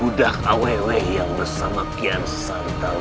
udah aweweh yang bersama kian santang itu